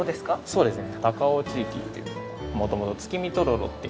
そうですね。